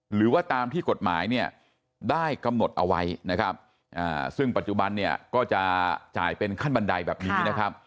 หรือว่าตามที่กฎหมายเนี่ยได้กำหนดเอาไว้นะครับซึ่งปัจจุบันเนี่ยก็จะจ่ายเป็นขั้นบันไดแบบนี้นะครับ